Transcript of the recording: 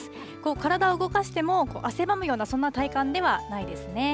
体を動かしても、汗ばむようなそんな体感ではないですね。